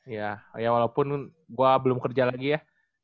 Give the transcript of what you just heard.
iya walaupun gue belum kerja lagi ya